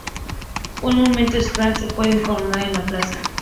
Un Monumento a Skanderbeg se puede encontrar en la plaza.